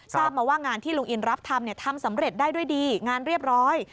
ทราบมาว่างานที่ลุงอินรับทำทำสำเร็จได้ด้วยดีงานเรียบร้อย